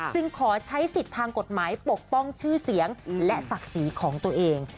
ขอใช้สิทธิ์ทางกฎหมายปกป้องชื่อเสียงและศักดิ์ศรีของตัวเอง